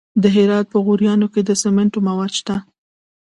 د هرات په غوریان کې د سمنټو مواد شته.